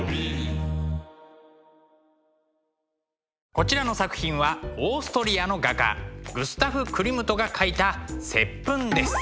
こちらの作品はオーストリアの画家グスタフ・クリムトが描いた「接吻」です。